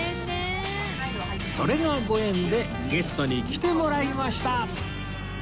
それがご縁でゲストに来てもらいました！